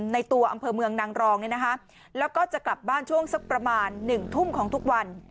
ในตัวอำเภอเมืองนางรองแล้วก็จะกลับบ้านช่วงสักประมาณ๑ทุ่มของทุกวัน